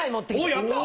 おやった！